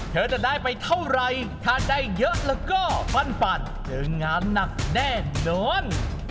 เธอจะได้ไปเท่าไรถ้าได้เยอะแล้วก็ฟันเจองานหนักแน่นอน